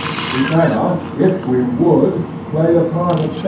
We cannot, if we would, play the £artjoL Oii?